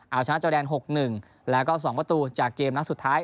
เอาชนะจอแดน๖๑แล้วก็๒ประตูจากเกมนัดสุดท้าย